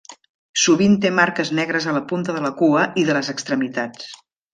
Sovint té marques negres a la punta de la cua i de les extremitats.